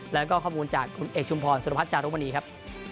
แล้วก็ข้อมูลจากคุณเอกชุมพรสุรพัฒนจารุมณีครับ